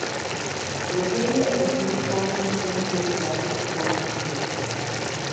The area includes southern hemisphere's largest sound stage.